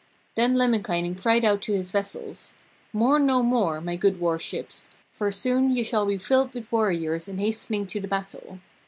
Then Lemminkainen cried out to his vessels: 'Mourn no more, my good warships, for soon ye shall be filled with warriors and hastening to the battle.'